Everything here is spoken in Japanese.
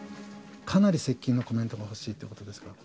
かなり接近のコメントが欲しいということですが。